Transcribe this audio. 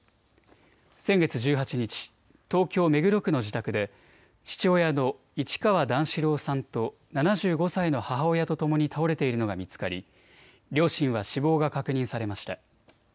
先月１８日、東京目黒区の自宅で父親の市川段四郎さんと７５歳の母親とともに倒れているのが見つかり両親は死亡が確認されました。